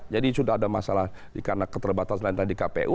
jadi sudah ada masalah karena keterbatasan lain tadi kpu